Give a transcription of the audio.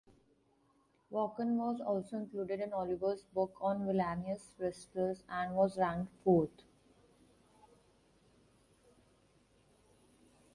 Vachon was also included in Oliver's book on villainous wrestlers and was ranked fourth.